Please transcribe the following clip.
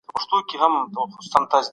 تاسو به د خپل ذهن په جوړولو کي ډېر کار کوئ.